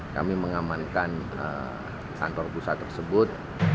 kami mengamankan kantor pusat tersebut